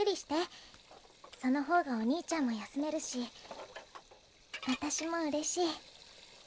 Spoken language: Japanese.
そのほうがお兄ちゃんも休めるし私も嬉しい。